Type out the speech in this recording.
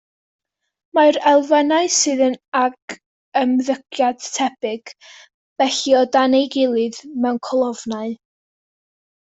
Mae'r elfennau sydd ag ymddygiad tebyg, felly, o dan ei gilydd, mewn colofnau.